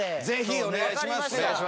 ぜひお願いしますよ